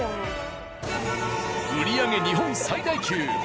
売り上げ日本最大級。